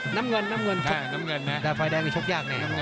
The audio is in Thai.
น้ำเงินแต่ไฟแดงชกยากแน่